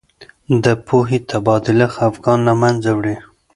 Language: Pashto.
د پوهې تبادله خفګان له منځه وړي.